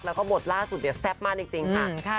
แล้วก็บทล่าสุดเนี่ยแซ่บมากจริงค่ะ